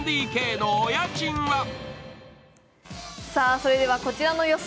それではこちらの予想